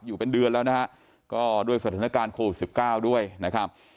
อยู่เป็นเดือนแล้วนะฮะก็ด้วยสถานการณ์โควิด๑๙ด้วยนะครับ